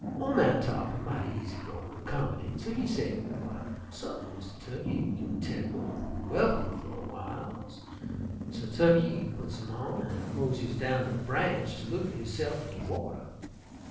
"Ol' man Tarr'pin mighty easy goin' an' commodatin', so he say, 'W'y, sut'n'y, Mistah Tukkey, you kin tek 'em an' welcome fer a w'iles.' So Tukkey he putts 'em on an' moseys down ter de branch ter look at hisse'f in de water.